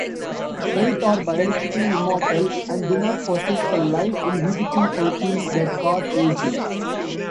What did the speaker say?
Wraith are biologically immortal and do not possess the life-inhibiting proteins that cause aging.